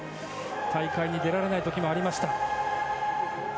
大会に出られない時もありました。